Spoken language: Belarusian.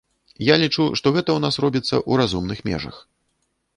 Я лічу, што гэта ў нас робіцца ў разумных межах.